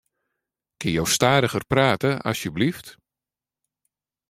Kinne jo stadiger prate asjebleaft?